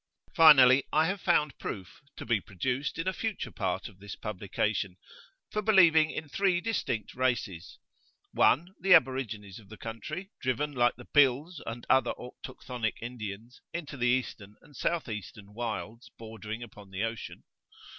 Finally, I have found proof, to be produced in a future part of this publication, for believing in three distinct races. 1. The aborigines of the country, driven like the Bhils and other autochthonic Indians, into the eastern and south eastern wilds bordering upon the ocean.